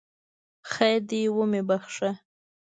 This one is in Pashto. خیر دی ومې بخښه!